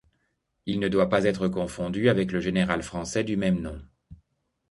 Il ne doit pas être confondu avec le général français du même nom.